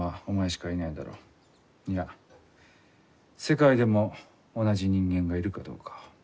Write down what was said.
いや世界でも同じ人間がいるかどうか。